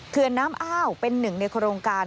น้ำอ้าวเป็นหนึ่งในโครงการ